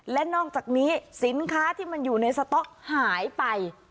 และนอกจากนี้สินค้าที่มันอยู่ในสต๊อกหายไป